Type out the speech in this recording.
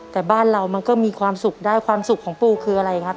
แต่บ้านเรามันก็มีความสุขได้ความสุขของปูคืออะไรครับ